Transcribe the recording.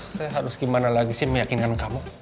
saya harus gimana lagi sih meyakinkan kamu